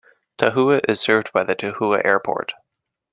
Tahoua is served by the Tahoua Airport.